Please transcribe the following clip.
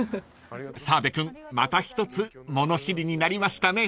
［澤部君また一つ物知りになりましたね］